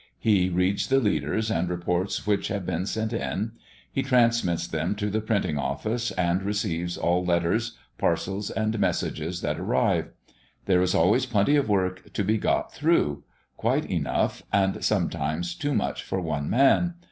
He reads the leaders and reports which have been sent in; he transmits them to the printing office, and receives all letters, parcels, and messages that arrive. There is always plenty of work to be got through quite enough, and sometimes too much for one man.